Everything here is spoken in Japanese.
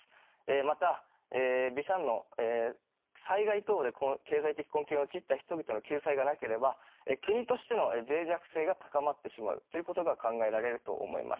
またビシャンノ災害等で経済的困窮に陥った人々の救済がなければ国としてのぜい弱性が高まってしまうということが考えられると思います。